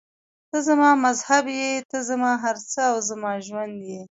ته زما مذهب یې، ته زما هر څه او زما ژوند یې.